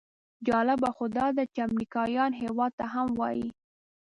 جالبه خو داده چې امریکایان هېواد ته هم وایي.